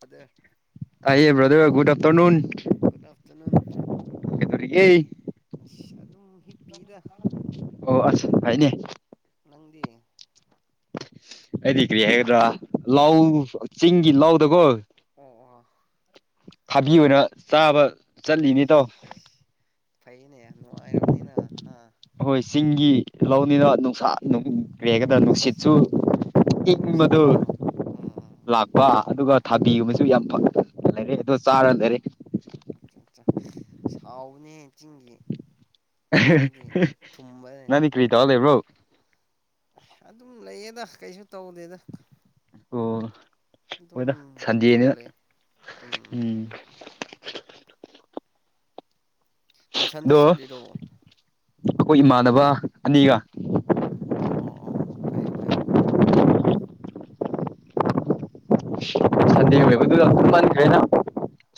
Brother ꯇꯥꯏꯦ ꯭ꯔꯗꯔ ꯨꯗ ꯑꯐꯇꯔꯅꯟ ꯑ ꯑꯗꯨꯝ ꯍꯤꯞꯄꯤꯗ ꯑꯣ ꯑꯁ ꯍꯥꯏꯥꯏꯅꯦ ꯅꯗꯤ ꯑꯩꯗꯤ ꯀꯔꯤ ꯍꯥꯏꯒꯗ꯭ꯔꯥ ꯂ ꯆꯤꯡꯒꯤ ꯂꯗꯀꯣ ꯑꯣ ꯑꯣ ꯊꯥꯕꯤ ꯑꯣꯏꯅ ꯆꯥꯕ ꯆꯠꯂꯤꯅꯤ ꯑꯁ ꯇꯣ ꯐꯩꯅꯦ ꯅꯨꯡꯉꯥꯏꯔꯝꯅꯤꯅ ꯑ ꯍꯣꯏ ꯆꯤꯡꯒꯤ ꯂꯧꯅꯤꯅ ꯅꯨꯡꯁꯥ ꯅꯨꯡ ꯀ꯭ꯔꯦꯒꯗ ꯑꯁ ꯅꯨꯡꯁꯤꯠꯁꯨ ꯍꯣꯏ ꯏꯪꯕꯗꯨ ꯁꯤꯠꯄꯗꯣ ꯎꯝ ꯎꯝ ꯂꯥꯛꯄ ꯑꯗꯨꯒ ꯊꯥꯕꯤꯒꯨꯝꯕꯁꯨ ꯌꯥꯝ ꯐ ꯂꯩꯔꯦ ꯑꯣ ꯆꯥꯔ ꯂꯩꯔꯦ ꯑꯆꯥ ꯑ ꯁꯥꯎꯕꯅꯦ ꯆꯤꯡꯒꯤ ꯊꯕꯤꯗꯤ ꯊꯨꯝꯕꯅꯦ ꯅꯅꯤ ꯀꯔꯤ ꯇ ꯑꯣꯜꯦꯕ꯭ꯔꯣ ꯑꯗꯨꯝ ꯂꯩꯌꯦꯗ ꯀꯩꯁꯨ ꯇꯧꯗꯦꯗ ꯑꯣ ꯑꯗꯨꯝ ꯍꯣꯏꯗ ꯍꯤꯞꯄꯒ ꯁꯟꯗꯦꯅꯤꯅ ꯂꯩ ꯎꯝ ꯅ ꯊꯟꯗꯦ ꯑꯗꯣ ꯆꯜꯂꯤꯔꯣꯣ ꯑꯩꯈꯣꯏ ꯏꯃꯥꯟꯅꯕ ꯑꯅꯤꯒ ꯑꯣ ꯑꯣ ꯑꯣ ꯑꯣ ꯐꯩꯌꯦ ꯐꯩꯌꯦ ꯁꯟꯗꯦ ꯑꯣꯏꯕ ꯑꯗꯨꯒ ꯀꯃꯟꯈ ꯍꯥꯏꯅ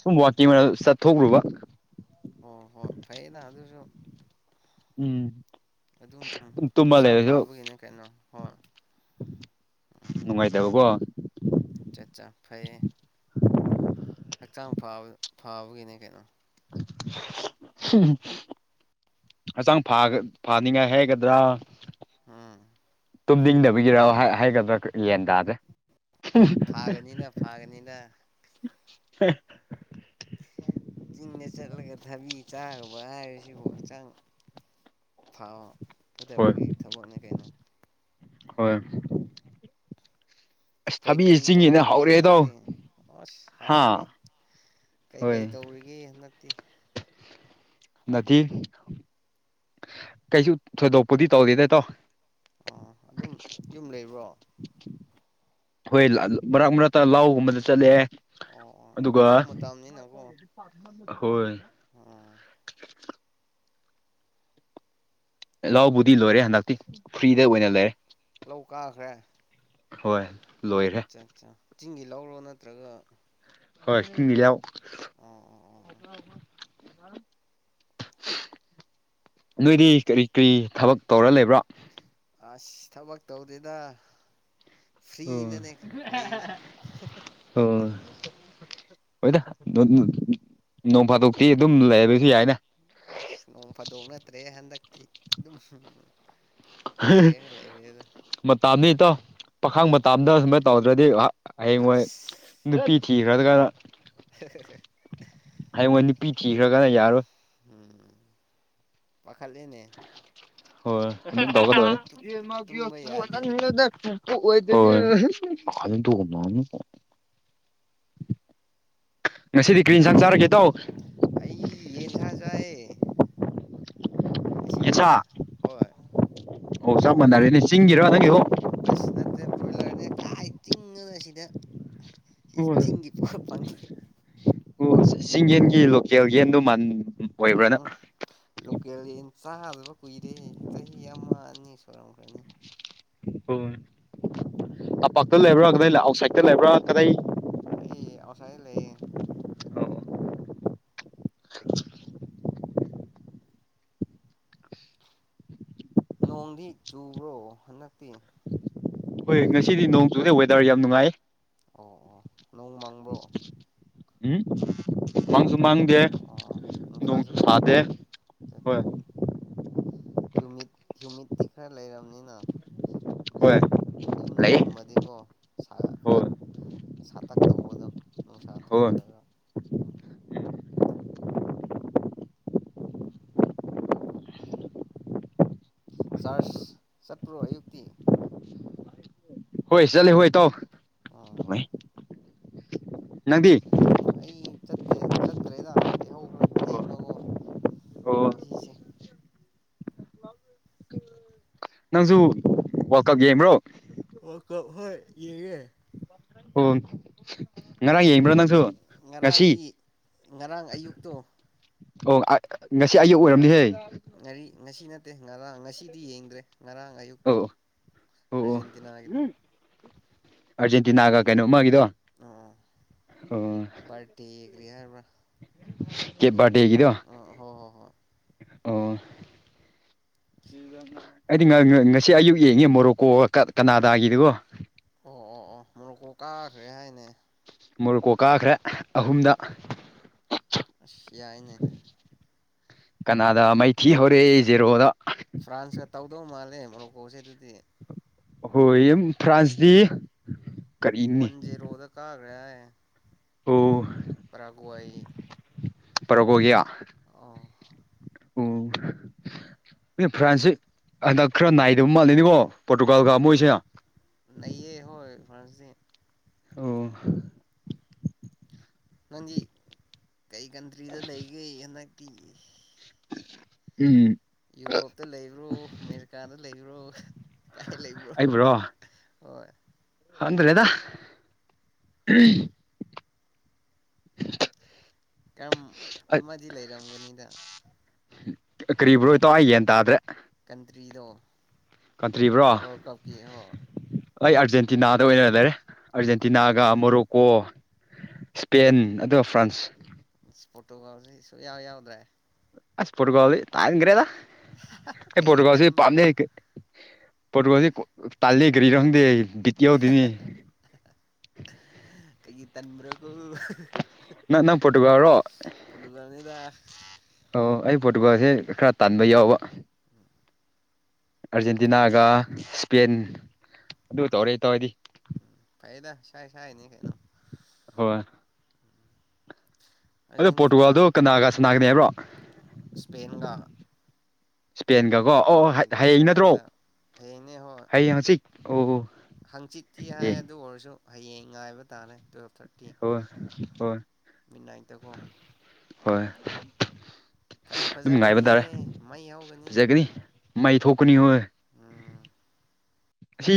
ꯁꯨꯝ ꯋꯥꯀꯤ ꯆꯠꯊꯣꯛꯈ꯭ꯔꯨꯕ ꯑꯣ ꯍꯣ ꯐꯩꯩꯅ ꯑꯗꯨꯁꯨ ꯎꯝ ꯑꯗꯨꯝ ꯇꯨꯝꯃ ꯍꯛꯆꯥꯡ ꯂꯩꯔꯁꯨ ꯐꯕꯒꯤꯅꯦ ꯀꯩꯅꯣ ꯍꯣꯏ ꯅꯨꯡꯉꯥꯏꯗꯕꯕꯣ ꯆꯥꯆꯥ ꯐꯩꯌꯦ ꯍꯛꯆꯥꯡ ꯐꯕ ꯐꯥꯕꯒꯤꯅꯦ ꯀꯩꯅꯣ [unintelligible] ꯍꯛꯆꯥꯡ ꯐꯥꯅꯤꯡꯉꯥꯏ ꯍꯥꯏꯒꯗ꯭ꯔꯥ ꯑꯝ ꯇꯨꯝꯅꯤꯡꯗꯕꯒꯤꯔꯣꯑꯣ ꯍꯥꯏꯒꯗ꯭ꯔꯥ ꯌꯦꯟ ꯇꯥꯥꯁꯦ ꯐꯥꯒꯅꯤꯅ ꯐꯥꯒꯅꯤꯅ ꯍ ꯆꯤꯡꯗ ꯆꯠꯂꯒ ꯊꯕꯤ ꯆꯥꯈ꯭ꯔꯕ ꯍꯥꯏꯕꯁꯤꯕꯨ ꯍꯛꯆꯥꯡ ꯐꯥꯎꯋ ꯍꯣꯏ ꯐꯠꯇꯕꯒꯤ ꯊꯕꯛꯅꯦ ꯀꯩꯅꯣ ꯍꯣꯏ ꯑꯁ ꯀꯩ ꯊꯕꯤ ꯀꯔꯤ ꯆꯤꯡꯉꯤꯅ ꯇꯧꯔꯤꯒꯦ ꯍꯧꯔꯦ ꯏꯇꯥꯎ ꯍꯟꯗꯛꯇꯤ ꯑꯁ ꯍꯥꯥ ꯁꯥꯔꯅꯤ ꯀꯩ ꯍꯣꯏ ꯀꯩ ꯇꯧꯔꯤꯒꯦ ꯍꯟꯗꯛꯇꯤ ꯅꯠꯇ ꯀꯩꯁꯨ ꯊꯣꯏꯗꯣꯛꯄꯨꯗꯤ ꯇꯧꯔꯤꯦ ꯅꯠꯇꯣ ꯑꯣ ꯑꯗꯨꯝ ꯌꯨꯝ ꯂꯩꯕ꯭ꯔꯣ ꯍꯣꯏ ꯃꯔꯛ ꯃꯔꯛꯇ ꯂꯍꯥꯎꯒꯨꯝꯕꯗ ꯆꯠꯂꯑꯦ ꯑꯣ ꯑꯣ ꯑꯗꯨꯒ ꯂꯧ ꯃꯇꯝꯅꯤꯅꯀꯣ ꯍꯣꯏ ꯑꯣ [unintelligible] ꯂꯥꯎꯕꯨꯗꯤ ꯏꯜꯂꯣꯦꯟꯗꯑꯥꯛꯇꯤ ꯂꯧ ꯂꯧ ꯀꯥꯈ꯭ꯔꯦ ꯍꯣꯏ ꯂꯣꯏꯔꯦ ꯑꯠꯆꯥ ꯑꯠꯆꯥ ꯆꯤꯡꯒꯤ ꯂꯧꯔꯣ ꯅꯠꯇ꯭ꯔꯒ ꯍꯣꯏ ꯃꯤꯂꯑꯣ ꯑ ꯑꯣ ꯑꯣ ꯑ ꯅꯣꯏꯗꯤ ꯀꯔꯤ ꯀꯔꯤ ꯊꯕꯛ ꯇꯧꯔ ꯂꯩꯕ꯭ꯔꯥ ꯑꯁ ꯊꯕꯛ ꯇꯧꯗꯦꯗ ꯑꯣ ꯐ꯭ꯔꯤꯗꯅꯦ ꯂꯩꯔꯤꯁꯦ [unintelligible] ꯑꯣ ꯍꯣꯏꯗ ꯅꯣꯡ ꯐꯥꯗꯣꯛꯇꯤ ꯑꯗꯨꯝ ꯂꯩ ꯕꯗꯨꯁꯨ ꯌꯥꯏꯅ ꯑꯁ ꯅꯣꯡ ꯐꯥꯗꯣꯛ ꯅꯠꯇ꯭ꯔꯦ ꯍꯟꯗꯛꯇꯤ ꯑꯗꯨꯝ ꯂꯩꯔꯒ ꯂꯩꯔꯦꯗ ꯃꯇꯥꯝꯅꯤ ꯏꯇꯥꯎ ꯄꯥꯈꯥꯡ ꯃꯇꯥꯝꯗ ꯁꯨꯃꯥꯏꯅ ꯇꯧꯗ꯭ꯔꯗꯤ ꯍꯩꯌꯦꯡꯋꯥꯏ ꯑꯁ ꯅꯨꯄꯤ ꯊꯤꯈ꯭ꯔꯒꯥꯟ [unintelligible] ꯍꯌꯦꯡꯉꯣꯟ ꯅꯨꯄꯤ ꯊꯤꯈ꯭ꯔꯒꯅ ꯌꯥꯔꯣꯏ ꯎꯝ ꯄꯥꯈꯠ ꯂꯦꯅꯦ ꯍꯣꯏ ꯇꯨꯝꯕ ꯌꯥꯗꯦꯅꯦ [unintelligible] [unintelligible] ꯉꯁꯤꯗꯤ ꯀꯔꯤ ꯌꯦꯟꯁꯥꯛ ꯆꯥꯔꯒꯦ ꯏꯇꯥꯎ ꯑꯩ ꯌꯦꯟꯁꯥ ꯆꯥꯏꯌꯦ ꯉꯁꯤꯁꯦ ꯌꯦꯟꯁꯥ ꯍꯣꯏ ꯑꯣ ꯆꯞ ꯃꯥꯅꯔꯦꯅꯦ ꯑꯣ ꯑꯁ ꯅꯠꯇꯦ ꯕ꯭ꯔꯣꯏꯂꯔꯅꯦ ꯀꯥꯏ ꯇꯤꯡꯉꯅ ꯁꯤꯗ ꯆꯤꯡꯒꯤ ꯄꯣꯠ ꯐꯪꯗꯦ ꯑꯣ ꯆꯤꯡ ꯌꯦꯟꯒꯤ ꯂꯣꯀꯦꯜ ꯌꯦꯟꯗꯣ ꯃꯥꯟ ꯑꯣꯏꯕ꯭ꯔꯅ ꯎꯝ ꯂꯣꯀꯦꯜ ꯌꯦꯟ ꯆꯥꯗꯕ ꯀꯨꯏꯔꯦ ꯆꯍꯤ ꯑꯃ ꯑꯅꯤ [unintelligible] [unintelligible] ꯇꯝꯄꯥꯛꯇ ꯂꯩꯕ꯭ꯔꯥ ꯀꯗꯥꯏ ꯑꯥꯎꯠꯁꯥꯏꯗꯠꯇ ꯂꯩꯕ꯭ꯔꯥ ꯀꯗꯥꯏ ꯑꯩ ꯑꯥꯎ꯭ꯇꯁꯥꯏꯇ ꯂꯩꯌꯦ ꯅꯣꯡꯗꯤ ꯆꯨꯕ꯭ꯔꯣ ꯍꯟꯗꯛꯇꯤ ꯍꯣꯏ ꯉꯁꯤꯗꯤ ꯅꯣꯡ ꯆꯨꯗ ꯋꯦꯗꯔ ꯌꯥꯝ ꯅꯨꯡꯉꯥꯏ ꯑꯣ ꯑꯣ ꯅꯣꯡ ꯃꯡꯕ꯭ꯔꯣ ꯎꯝ ꯅꯨꯡꯁꯥ ꯃꯪꯁꯨ ꯊꯣꯛꯄ꯭ꯔꯣ ꯃꯥꯡꯗꯦ ꯑꯣꯥ ꯅꯨꯡꯁꯥꯁꯨ ꯅꯣꯡꯁꯨ ꯊꯣꯛꯇꯦ ꯁꯥꯗꯦ ꯍꯣꯏ ꯆ ꯅꯨꯃꯤꯠ ꯍ꯭ꯌꯨꯃꯤꯠꯇꯤ ꯈꯔ ꯂꯩꯔꯝꯅꯤꯅꯦ ꯍꯣꯏ ꯂꯩ ꯌꯨꯝꯗꯒꯨꯝꯕꯗꯤꯀꯣ ꯁꯥꯒ ꯍꯣꯏ ꯈꯔ ꯁꯥꯇꯛ ꯇꯧꯕꯗꯣ ꯅꯨꯡꯁꯥ ꯍꯣꯏ ꯊꯣꯛꯇ꯭ꯔꯒ ꯆꯥꯔꯁ ꯆꯠꯄ꯭ꯔꯣ ꯑꯌꯨꯛꯇꯤ ꯍꯣꯏ ꯆꯠꯂꯤ ꯍꯣꯏ ꯏꯇꯥꯎ ꯑꯣ ꯅꯪꯗꯤ ꯑꯩ ꯆꯠ ꯆꯠꯈ꯭ꯔꯦꯗ ꯌꯍꯧ ꯈꯔ ꯊꯦꯡꯕꯒꯣ ꯑꯣ ꯉꯁꯤꯁꯦ ꯅꯪꯁꯨ ꯋꯥ꯭ꯜꯀꯞ ꯌꯦꯡꯕ꯭ꯔꯣ ꯑꯣ ꯍꯣꯏ ꯌꯦꯡꯉꯦ ꯑꯣ ꯉꯔꯥꯡ ꯌꯦꯡꯕ꯭ꯔꯣ ꯅꯪꯁꯨ ꯉꯁꯤ ꯇꯣ ꯑꯣ ꯉꯁꯤ ꯑꯌꯨꯛ ꯑꯣꯏꯔꯝꯅꯤꯍꯦ ꯉꯥꯔꯤ ꯉꯁꯤ ꯅꯠꯇꯦ ꯉꯔꯥꯡ ꯉꯁꯤꯗꯤ ꯌꯦꯡꯗ꯭ꯔꯦ ꯉꯔꯥꯡ ꯑꯌꯨꯛꯇꯣ ꯑꯣ ꯑꯣ ꯑꯔꯖꯦꯟꯇꯤꯅꯥ ꯒꯤꯗꯣ ꯑꯔꯖꯦꯟꯇꯤꯅꯥꯒ ꯀꯩꯅꯣ ꯑꯃꯥꯒꯤꯗꯣ ꯑꯣ [unintelligible] ꯀꯦꯕꯥꯔꯇꯦ ꯒꯤꯗꯣ ꯑꯣ ꯍꯣꯏ ꯍꯣꯏ ꯍꯣꯏ ꯑꯣ [inaudible] ꯑꯩꯗꯤ ꯉꯁꯤ ꯑꯌꯨꯛ ꯌꯦꯡꯉꯦ ꯃꯣꯔꯣꯛꯀꯣ ꯀꯅꯥꯗꯥꯒꯤꯗꯨꯒꯣ ꯑꯣ ꯑꯣ ꯑꯣ ꯃꯣꯔꯣꯀꯣ ꯀꯥꯈ꯭ꯔꯦ ꯍꯥꯏꯅꯦ ꯃꯣꯔꯨꯀꯣ ꯀꯥꯈ꯭ꯔꯦ ꯑꯍꯨꯝꯗ ꯎꯝ ꯁꯤ ꯌꯥꯏꯅꯦ ꯀꯅꯥꯗ ꯃꯥꯏꯊꯤ ꯍꯧꯔꯦ ꯖꯦꯔꯣꯗ ꯐ꯭ꯔꯥꯟꯁꯀ ꯇꯧꯗꯧ ꯃꯥꯜꯂꯦ ꯃꯣꯔꯣꯀꯣꯁꯦ ꯑꯗꯨꯗꯤ ꯍꯣꯏ ꯐ꯭ꯔꯥꯟꯁꯗꯤ ꯋꯥꯟ ꯖꯖꯤꯔꯣꯗ ꯀꯥꯒ ꯑꯣ ꯔꯒꯣꯏ ꯄꯔꯕꯒꯌꯥ ꯎꯝ ꯑꯦ ꯐ꯭ꯔꯥꯟꯁꯤ ꯍꯟꯗꯛ ꯈꯔ ꯅꯥꯏꯗꯕ ꯃꯥꯜꯂꯦꯅꯤꯕꯣ ꯅꯌꯦ ꯍꯣꯏ ꯐ ꯑꯣ ꯅꯪꯖꯤ ꯀꯩ ꯀꯟꯇ꯭ꯔꯤꯗ ꯂꯩꯒꯦ ꯍꯟꯗꯛꯛꯇꯤ ꯎꯝ ꯌꯨꯔꯣꯞꯇ ꯂꯩꯕ꯭ꯔꯣ ꯑꯃꯦꯔꯤꯀꯥꯗ ꯂꯩꯕ꯭ꯔꯣ ꯀꯥꯏ ꯂꯩꯕ꯭ꯔꯣ ꯍꯣꯏ ꯍꯗ꯭ꯔꯦꯗ ꯀꯔꯝ ꯑꯃꯗꯤ ꯂꯩꯔꯝꯒꯅꯤꯗ ꯀꯔꯤꯕ ꯭ꯔꯣ ꯇꯧ ꯑꯩ ꯌꯦꯟ ꯇꯥꯗ꯭ꯔꯦ ꯀꯟꯇ꯭ꯔꯤꯗꯣ ꯀꯟꯇ꯭ꯔꯤꯕ꯭ꯔꯣ ꯋꯥꯔꯜ ꯀꯞꯀꯤ ꯍ ꯑꯩ ꯑꯥꯔꯖꯦꯟꯇꯤꯅꯥꯗ ꯑꯣꯏꯅ ꯂꯩꯔꯦ ꯑꯠꯆꯥ ꯑꯥꯔꯖꯦꯟꯇꯤꯅꯥꯒ ꯑꯠꯆꯥ ꯃꯣꯔꯣꯛꯀꯣ ꯏꯁꯄꯦꯟ ꯑꯗꯨꯒ ꯐ꯭ꯔꯥꯟꯁ ꯐꯣꯇꯣꯒꯁꯁꯨ ꯌꯥꯎ ꯌꯥꯎꯗ꯭ꯔꯦ ꯑꯁ ꯄꯨꯣꯠꯀꯣꯗꯤ ꯇꯥꯏ ꯌꯦ ꯀꯔꯦꯗ ꯑꯩ ꯀꯩꯒꯤ ꯄꯨꯣꯠꯀꯥꯎꯁꯤ ꯇꯟꯕ꯭ꯔꯣ ꯄꯝꯃꯦ ꯄꯠꯗꯤ ꯇꯥꯦꯒꯔꯤꯔꯗ ꯕꯤꯇꯣꯗꯤꯅꯤ ꯇꯟ꯭ꯔꯒ ꯅꯪ ꯅꯪ ꯄꯠꯇꯕꯔꯣ ꯄꯣꯔꯇꯨꯒꯥꯜꯅꯤꯗ ꯑꯩ ꯄꯣꯔꯇꯨꯒꯥꯜꯁꯦ ꯈꯔ ꯇꯥꯟꯕ ꯌꯥꯎꯕ ꯑꯥꯔꯖꯦꯟꯇꯤꯅꯥꯒ ꯏꯁꯄꯦꯟ ꯑꯗꯨ ꯇꯧꯔꯦ ꯇꯧꯔꯗꯤ ꯐꯩꯗ ꯁ ꯁꯅꯤ ꯀꯩꯅꯣ ꯍꯣꯏ ꯑꯗꯣ ꯑꯥꯔꯖꯦꯟꯇꯤꯅꯥ ꯄꯣꯔꯇꯨꯒꯥꯜꯗꯣ ꯀꯅꯥꯒ ꯁꯅꯥꯒꯅꯤ ꯍꯥꯏꯕ꯭ꯔꯣ ꯁꯄꯦꯟꯒ ꯏꯁꯄꯦꯟꯒꯀꯣ ꯑꯣ ꯍꯌꯦꯡ ꯅꯠꯇ꯭ꯔꯣ ꯁꯚꯦꯟꯗ ꯍꯌꯦꯡ ꯍꯧꯖꯤꯛ ꯑꯣ ꯑꯣ ꯍꯪꯆꯤꯠꯇꯠꯇꯤ ꯍꯥꯏ ꯑꯦ ꯑꯗꯨ ꯑꯣꯏꯔꯁꯨ ꯍꯌꯦꯡ ꯉꯥꯏꯕ ꯇꯥꯔꯦ ꯍ ꯍꯣꯏ ꯅꯥꯏꯇꯀꯣ ꯍꯣꯏ ꯐꯗꯤ ꯑꯗꯨꯝ ꯐꯖꯛ ꯉꯥꯏꯕ ꯀꯅꯤꯍꯦ ꯇꯥꯔꯦ ꯃꯩ ꯍꯧꯒꯅꯤ ꯐꯖꯒꯅꯤ ꯃꯩ ꯊꯣꯛꯀꯅꯤ ꯑꯣꯏ ꯎꯝ ꯑꯁꯤ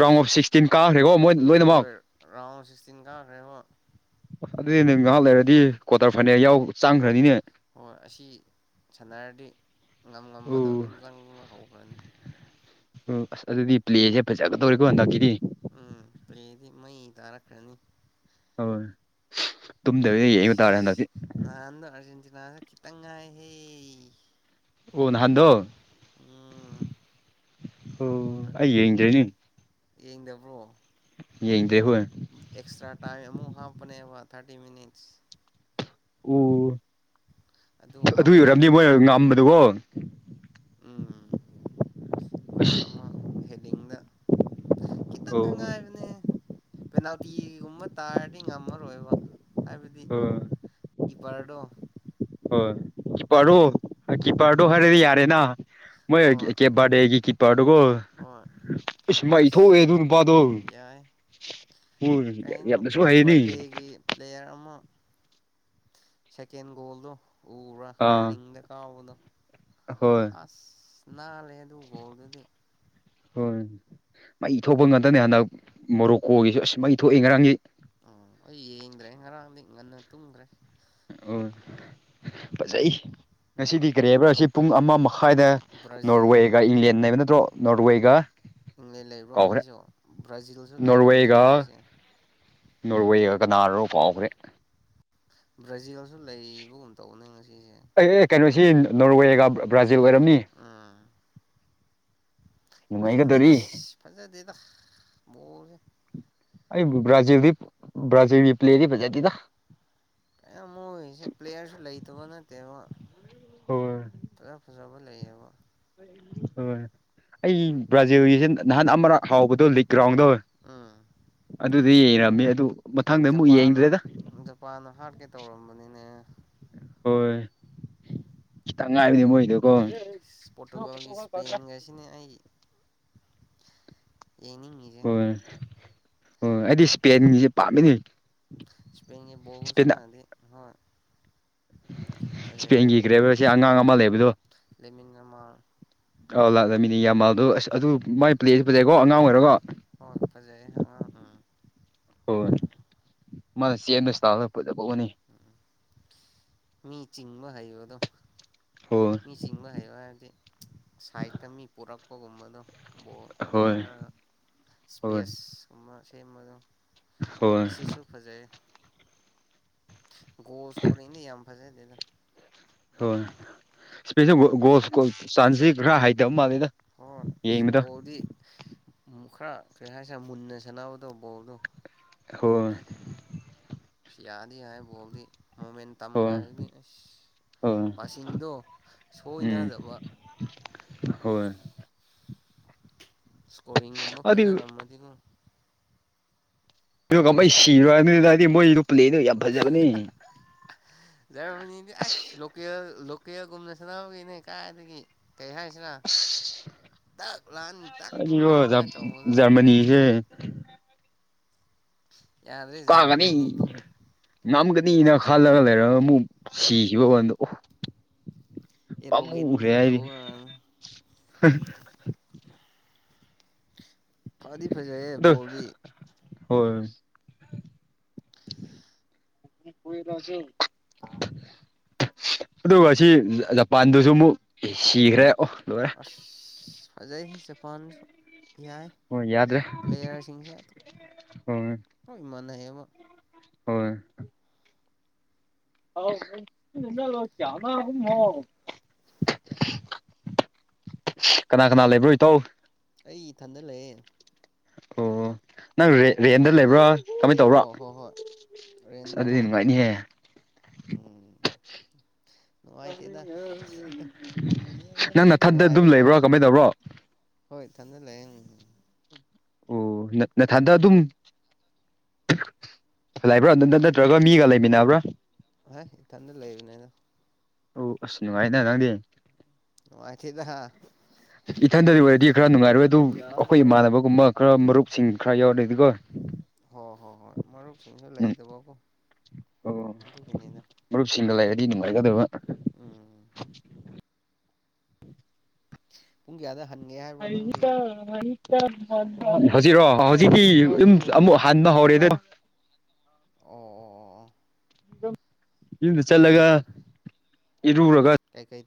ꯔꯣꯡ ꯑꯣꯐ ꯁꯤꯛꯁꯇꯤꯟ ꯀꯥꯈ꯭ꯔꯦꯀꯣ ꯃꯣꯏ ꯂꯣꯏꯅꯃꯛ ꯍꯣꯏ ꯔꯥꯎꯟ ꯁꯤꯁꯇꯤꯟ ꯀꯥꯈꯔꯦꯀꯣ ꯑꯁ ꯑꯗꯨꯗꯤ ꯅꯪ ꯉꯥꯏꯍꯥꯛ ꯂꯩꯔꯗꯤ ꯀ꯭ꯋꯥꯇꯔ ꯐꯥꯏꯅꯦꯜ ꯌꯥꯎ ꯆꯥꯡꯈ꯭ꯔꯅꯤꯅꯦ ꯍꯣꯏ ꯑꯁꯤ ꯁꯥꯟꯅꯔꯗꯤ ꯉꯝ ꯑꯣ ꯉꯝꯕꯗꯣ ꯑꯗꯨꯝ ꯆꯪꯕ ꯍꯧꯒꯔ꯭ꯅꯤ ꯑꯣ ꯑꯁ ꯑꯗꯨꯗꯤ ꯄ꯭ꯂꯦꯁꯦ ꯐꯖꯒꯗꯧꯔꯤꯦꯀꯣ ꯍꯟꯗꯛꯀꯤꯗꯤ ꯎꯝ ꯄ꯭ꯂꯦꯗꯤ ꯃꯩ ꯇꯥꯔꯛꯈ꯭ꯔꯅꯤ ꯍꯣꯏ ꯇꯨꯝꯗꯕꯤꯗ ꯌꯦꯡꯕ ꯑꯁ ꯇꯥꯔꯦ ꯍꯟꯗꯛꯇꯤ ꯈꯤꯇꯥꯪꯪ ꯉꯥꯏꯍꯦ ꯑꯣ ꯅꯍꯥꯟꯗꯣ ꯎꯝ ꯑꯣ ꯑꯩꯏ ꯌꯦꯡꯗꯦꯅꯦ ꯌꯦꯡꯗꯕ꯭ꯔꯣ ꯍꯣꯏ ꯑꯦꯛꯁꯇ꯭ꯔꯥ ꯇꯥꯏꯝꯨ ꯍꯥꯄꯅꯦꯕ ꯊꯥꯔꯇꯤ ꯃꯤꯅꯤꯠꯁ ꯑꯣ ꯑꯗꯨ ꯑꯗꯨꯒꯤ ꯍꯥꯞꯄꯗ ꯑꯣꯏꯔꯝꯅꯤ ꯃꯣꯏꯅ ꯉꯥꯝꯕꯗꯨꯀꯣ ꯎꯝ ꯀꯣꯜ ꯑꯁ ꯑꯃ ꯍꯦꯗꯤꯡꯗ ꯈꯤꯇꯪ ꯑꯣ ꯉꯥꯏꯕꯅꯦ ꯄꯦꯅꯥꯜꯇꯤꯒꯨꯝꯕ ꯇꯥꯔꯗꯤ ꯉꯝꯃꯔꯣꯏꯕ ꯍꯥꯏꯕꯗꯤ ꯀꯤꯄꯔꯗꯣ ꯍꯣꯏ ꯀꯤꯄꯥꯔꯔꯣ ꯀꯤꯄꯔꯗꯣ ꯍꯥꯏꯔꯗꯤ ꯌꯥꯔꯦꯅ ꯃꯣꯏ ꯍꯣꯏ ꯀꯦꯕ ꯕꯥꯔꯗꯦ ꯀꯤꯄꯥꯔꯗꯨꯀꯣ ꯍꯣꯏ ꯏꯁ ꯃꯩ ꯊꯣꯛꯑꯦ ꯑꯁ ꯑꯗꯨ ꯅꯨꯄꯥꯗꯣ ꯌꯥꯏ ꯍꯣꯏ ꯀꯩꯅꯣ ꯌꯥꯝꯅꯁꯨ ꯀꯦꯕ ꯍꯩꯅꯤ ꯕꯥꯔꯗꯦꯒꯤ ꯄ꯭ꯂꯦꯌꯔ ꯑꯃ ꯁꯦꯀꯦꯟ ꯕꯣꯜꯗ ꯎꯕꯔ ꯑꯥ ꯀꯔꯂꯤꯡꯗ ꯀꯥꯎꯕꯗꯣ ꯍꯣꯏ ꯑꯁ ꯅꯥꯜ ꯂꯦ ꯑꯗꯨ ꯒꯣꯜꯗꯨꯗꯤ ꯍꯣꯏ ꯃꯩ ꯊꯣꯛꯄ ꯉꯇꯅꯦ ꯍꯟꯗꯛ ꯃꯣꯔꯣꯛꯀꯣꯒꯤꯁꯨ ꯑꯁ ꯃꯩ ꯊꯣꯛꯑꯦ ꯉꯔꯥꯡꯒꯤ ꯎꯝ ꯑꯩ ꯌꯦꯡꯗ꯭ꯔꯦ ꯉꯔꯥꯡꯗꯤ ꯉꯟꯅ ꯇꯨꯝꯒꯔ꯭ꯦ ꯑꯣ ꯐꯖꯩ ꯎꯝ ꯉꯁꯤꯗꯤ ꯀꯔꯤ ꯍꯥꯏꯕ꯭ꯔꯥ ꯁꯤ ꯄꯨꯡ ꯑꯃꯃ ꯍꯥꯏꯅ ꯕ꯭ꯔꯥꯖꯤꯜ ꯅꯣꯔꯋꯦꯒ ꯏꯪꯂꯦꯟ ꯅꯩꯕ ꯅꯠꯇ꯭ꯔꯣ ꯅꯣꯔꯋꯦꯒ ꯏꯪꯂꯦꯟ ꯂꯩꯕ꯭ꯔꯣ ꯀꯥꯎꯈ꯭ꯔꯦ ꯉꯁꯤꯁꯨ ꯕ꯭ꯔꯥꯖꯤꯜꯁꯨ ꯂꯩꯔꯝꯅꯤ ꯅꯣꯔꯋꯦꯒ ꯉꯁꯤꯁꯦ ꯅꯣꯔꯋꯦꯒ ꯀꯅꯥꯔꯣ ꯀꯥꯎꯈ꯭ꯔꯦ ꯕ꯭ꯔꯥꯖꯤꯜꯁꯨ ꯂꯩꯕꯒꯨꯝ ꯇꯧꯝꯅꯦ ꯉꯁꯤ ꯑꯦ ꯑꯦ ꯀꯩꯅꯣꯁꯤ ꯅꯣꯔꯋꯦꯒ ꯕ꯭ꯔꯥꯖꯤꯜ ꯑꯣꯏꯔꯝꯅꯤ ꯕꯔ꯭ꯖꯤꯜꯗꯤ ꯅꯨꯡꯉꯥꯏꯒꯗꯣꯔꯤ ꯑꯁ ꯐꯖꯗꯦꯗ ꯕꯣꯜꯅꯦ ꯑꯩ ꯕꯔ꯭ꯖꯤꯜꯗꯤ ꯕꯔ꯭ꯖꯤꯜꯒꯤ ꯄ꯭ꯂꯦꯗꯤ ꯐꯖꯇꯤꯗ ꯃꯣꯏꯁꯦ ꯄ꯭ꯂꯦꯌꯔꯁꯨ ꯂꯩꯇꯕ ꯅꯠꯇꯕ ꯍꯣꯏ ꯐꯖ ꯐꯖ ꯕ ꯂꯩꯌꯦꯕ ꯍꯣꯏ ꯑꯩ ꯕ꯭ꯔꯥꯖꯤꯜꯒꯤꯁꯤ ꯅꯍꯥꯟ ꯑꯃꯔꯛ ꯍꯥꯎꯕꯗꯣ ꯂꯤꯛ ꯒ꯭ꯔꯥꯎꯟꯗꯣ ꯑꯥ ꯑꯗꯨꯗꯤ ꯌꯦꯡꯔꯝꯃꯦ ꯑꯗꯨ ꯃꯊꯪꯗ ꯑꯃꯨꯛ ꯌꯦꯡꯗ꯭ꯔꯦꯗ ꯖꯄꯥꯟ ꯍꯥꯔꯠꯀꯦ ꯇꯧꯔꯝꯕꯅꯤꯅꯦ ꯍꯣꯏ ꯈꯤꯇꯪ ꯉꯥꯏꯕꯅꯦ ꯃꯣꯏꯗꯣ ꯄꯣꯇꯨꯒꯜꯒꯤ ꯏꯁꯄꯦꯟ ꯒꯁꯤꯅꯦ ꯑꯩ ꯌꯦꯡꯅꯤꯡꯉꯤꯁꯦ ꯍꯣꯏ ꯍꯣꯏ ꯑꯩꯗꯤ ꯏꯁꯄꯦꯟꯒꯤꯁꯦ ꯄꯥꯝꯃꯤꯅꯤ ꯏꯁꯄꯦꯟꯒꯤ ꯕꯣꯜ ꯏꯁꯄꯦꯟ ꯒꯨꯁꯅꯗꯤ ꯍꯣꯏ ꯏꯁꯄꯦꯟꯒꯤ ꯒꯔ꯭ꯦꯕ ꯁꯤ ꯑꯉꯥꯡ ꯑꯃ ꯂꯩꯕꯗꯣ ꯂꯩꯦꯃꯤꯟꯅ ꯉꯃꯥ ꯑ ꯂꯥꯛꯂꯃꯤꯅꯤ ꯌꯥꯝꯃꯜꯗꯣ ꯑꯁ ꯑꯗꯨ ꯃꯥꯏ ꯄ꯭ꯂꯂꯑꯁꯨ ꯄꯂꯛꯑꯦꯀꯣ ꯑꯉꯥꯡ ꯑꯣꯏꯔꯒꯣ ꯍꯣꯏ ꯐꯖꯩ ꯎꯝ ꯍꯣꯏꯣꯏ ꯃꯥꯅ ꯆꯦꯟꯕ ꯇꯥꯒ ꯐꯗ ꯐꯥꯎꯅꯤ ꯃꯤ ꯆꯤꯡꯕ ꯍꯩꯕꯗꯣ ꯍꯣꯏ ꯃꯤ ꯆꯤꯡꯕ ꯍꯥꯏꯩꯕ ꯍꯥꯏꯁꯦ ꯁꯥꯏꯠꯇ ꯃꯤ ꯄꯨꯔꯛꯄꯒꯨꯝꯕꯗꯣ ꯕꯣꯠ ꯍꯣꯏ ꯄꯥꯏꯔꯒ ꯍꯣꯏ ꯏꯁꯄꯦꯁꯀꯨꯝꯕ ꯁꯦꯝꯕꯗ ꯍꯣꯏ ꯑꯦꯁꯤꯁꯨꯨ ꯐꯖꯩ ꯣꯁ ꯀꯣ ꯂꯩꯗꯤ ꯌꯥꯝ ꯐꯁꯦꯗ ꯍꯣꯏ ꯏꯁꯒꯣ ꯆꯥꯟꯁꯤ ꯈꯔ ꯍꯥꯏꯩꯇꯕ ꯃꯥꯜꯂꯤꯦꯗ ꯍ ꯃꯣꯗꯤ ꯈꯔ ꯀꯩ ꯍꯥꯏꯁꯤꯦ ꯃꯨꯟꯅ ꯁꯥꯟꯅꯕꯗꯣ ꯕꯣꯣꯔꯗꯣ ꯍꯣꯏ ꯌꯥꯗ ꯌꯥꯏ ꯣꯜꯗꯤ ꯃꯣꯃꯦꯟ ꯇꯝꯒ ꯍꯣꯏ ꯍꯣꯏ ꯁꯣꯏꯅꯗꯕ ꯎꯝ ꯍꯣꯏ [unintelligible] ꯏꯁꯀꯣꯔꯤꯡꯒꯨꯝꯕ ꯑꯗꯨ ꯐꯖꯔꯝꯃꯗꯤꯅꯣ ꯑꯗꯨꯒ ꯀꯃꯩ ꯁꯤꯔꯣꯏꯅꯤꯅ ꯍꯥꯏꯗꯤ ꯃꯣꯏ ꯌꯥꯔꯁ ꯑꯁ ꯂꯦꯜ ꯂ ꯄꯔ°ꯒꯨꯝꯅ ꯅ ꯁꯥꯅꯕꯅꯦ ꯀꯥꯏ ꯗꯒꯤ ꯀꯩ ꯍꯥꯏꯅꯤ ꯇꯛ ꯂꯥꯟꯔꯅꯤ ꯇꯛ ꯑꯩꯗꯤꯀꯣ ꯀꯨꯝꯃꯅꯤ ꯑꯗꯨꯃꯥꯏꯅ ꯇꯧꯕꯗꯣ꯫ [inaudible] [inaudible] ꯀꯥꯒꯅꯤ ꯖꯔꯃꯅꯤꯗꯤ ꯉꯝꯒꯅꯤꯅꯥ ꯈꯜꯂꯒ ꯂꯩꯔꯒꯥ ꯑꯃꯨꯛ ꯁꯤꯈꯤꯕ ꯑꫭꯏꯔ°ꯗꯣ ꯑꯦꯔꯣꯒꯦꯟ ꯄꯥꯝꯃꯨꯈꯔꯦ ꯈꯔ ꯑꯩꯗꯤ ꯇꯧꯕ ꯐꯗꯤ ꯐꯖꯩ ꯍ° ꯕꯣꯜꯗꯤ꯫ ꯍꯣꯏꯏ ꯀꯗꯁ [unintelligible] ꯑꯗꯨꯒꯥ ꯁꯤ ꯖꯄꯥꯟꯗꯁꯨ ꯑꯃꯨꯛ ꯁꯤꯈ꯭ꯔꯦ ꯑꯣꯑ ꯑꯁꯖ ꯐꯖꯩꯁ ꯖꯄꯥꯟꯁꯨ꯫ ꯌꯥꯏ ꯍꯣꯏ ꯌꯥꯗ꯭ꯔꯦ ꯄ꯭ꯂꯦꯌꯥꯔꯁꯤꯡꯁꯦ ꯑꯗꯨꯝ ꯏꯃꯥꯟꯅꯩ ꯍꯥꯏꯕ ꯍꯣꯏꯏꯏ ꯑ ꯃ [unintelligible] ꯀꯅꯥ ꯀꯅꯥ ꯂꯩꯕ꯭ꯔꯣ ꯏꯔꯥꯎ ꯑꯩ ꯏꯊꯟꯗꯥ ꯂꯩꯑ° ꯑꯣ ꯑꫭ ꯅꯪ ꯔꯦꯟꯗ ꯂꯩꯕ꯭ꯔꯥ ꯀꯃꯥꯏ ꯇꯧꯕ꯭ꯔꯣ? ꯑꯁ ꯔꯣꯜꯗ ꯑꯗꯨꯗꯤ ꯅꯨꯡꯉꯥꯏꯅꯤꯍꯦ ꯎꯝ [inaudible] ꯅꯨꯡꯉꯥꯏꯇꯦꯗ [unintelligible] ꯅꯪ ꯅꯊꯟꯗ ꯑꯗꯨꯝ ꯅꯨꯡꯉꯥꯏꯕꯩ ꯂꯩꯕ꯭ꯔꯥ ꯋꯥꯅꯤ ꯀꯃꯥꯏ ꯇꯧꯕ꯭ꯔꯣ? ꯍꯣꯏ ꯏꯊꯟꯗ ꯂꯩ ꯎꯝ ꯑꯣꯑ ꯅꯊꯟꯗꯥ ꯑꯗꯨꯝ ꯂꯩꯕ꯭ꯔꯥ ꯑꯗꯨꯗ ꯅꯪ ꯅꯠꯇ꯭ꯔꯒ ꯃꯤꯒ ꯂꯩꯃꯤꯟꯅꯕ꯭ꯔꯥ? ꯍꯥꯏ ꯏꯊꯟꯇꯥ ꯂꯩꯕꯅꯤꯗ ꯑꯣ ꯑꯥꯁ ꯅꯨꯡꯉꯥꯏꯅ ꯅꯪꯗꯤ꯫ ꯅꯨꯡꯉꯥꯏꯇ°ꯗꯥ ꯏꯊꯟꯗꯥ ꯑꯣꯏꯔꯗꯤ ꯈꯔ ꯅꯨꯡꯉꯥꯏꯔꯣꯏꯗꯕ ꯑꯗꯨ ꯑꯩꯈꯣꯏ ꯏꯃꯥꯟꯅꯕꯒꯨꯝꯕꯥ ꯈꯔ ꯃꯔꯨꯞꯁꯤꯡ ꯈꯔ ꯌꯥꯎꯔꯛꯑꯗꯤꯀꯣ ꯑꯥ ꯍꯣ ꯍꯣꯏ ꯃꯔꯨꯞ ꯁꯤꯁꯤꯡꯁꯨ ꯂꯩꯥꯏꯗꯦꯕꯣ ꯀꯣ ꯑꯣ ꯃꯔꯨꯞꯁꯤꯡꯒ ꯂꯩꯔꯗꯤ ꯅꯨꯡꯉꯥꯏꯒꯗꯕꯅꯤ ꯎꯝꯝ ꯄꯨꯡꯀꯌꯥꯗ ꯇ ꯍ [unintelligible] ꯍꯧꯖꯤꯛꯔꯣ ꯍꯧꯖꯤꯛꯇꯤ ꯌꯨꯝ ꯑꯃꯨꯛ ꯎꯝ ꯍꯟꯕꯥ ꯍꯧꯔꯦꯗꯥ ꯑꯣ ꯑꯣ ꯑꫭ ꯌꯨꯝꯗꯥ ꯆꯠꯔꯥꯒ ꯏꯔꯨꯔꯒꯥ ꯫ ꯀꯩꯀꯩ